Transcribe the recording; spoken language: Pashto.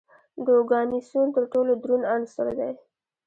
د اوګانیسون تر ټولو دروند عنصر دی.